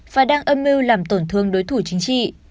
và đang âm mưu làm tổn thương đối thủ chính trị